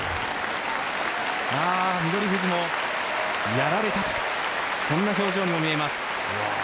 翠富士も、やられたとそんな表情にも見えます。